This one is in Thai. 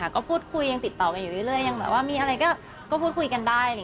ก็พูดคุยยังติดต่อกันอยู่เรื่อยยังแบบว่ามีอะไรก็พูดคุยกันได้